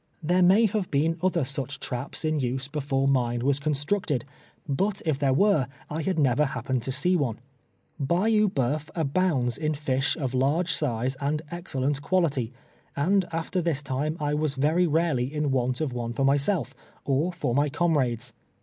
Tliere may have been other such traps in use before mine was constructed, but if there were I had never happened to see one. Bayou Boeuf abounds in fish of large size and excellent quality, and after this time I was very rarely in want of one for myself, or for my comrades.